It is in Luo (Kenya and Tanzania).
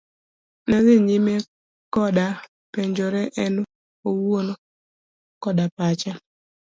Ne odhi nyime koda penjore en owuon koda pache.